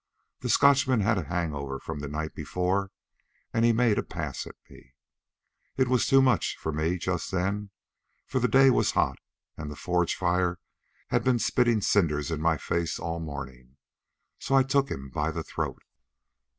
The Scotchman had a hangover from the night before and he made a pass at me. It was too much for me just then, for the day was hot and the forge fire had been spitting cinders in my face all morning. So I took him by the throat."